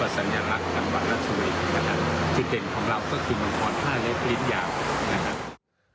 คือเด่นของเราก็คือมังกร๕เล็บนิ้วยาวนะครับ